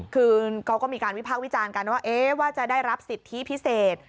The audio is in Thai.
คือเขาก็มีการวิพากษ์วิจารณ์กันว่าจะได้รับสิทธิพิเศษ